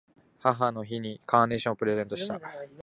母の日にカーネーションをプレゼントした。